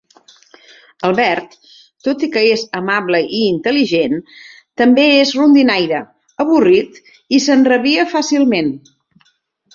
El Bert, tot i que és amable i intel·ligent, també és rondinaire, avorrit i s'enrabia fàcilment.